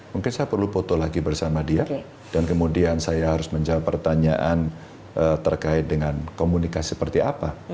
mungkin saya perlu foto lagi bersama dia dan kemudian saya harus menjawab pertanyaan terkait dengan komunikasi seperti apa